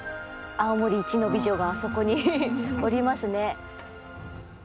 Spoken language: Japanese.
青森一の美女があそこにおりますね。